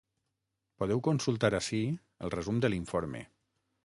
Podeu consultar ací el resum de l’informe.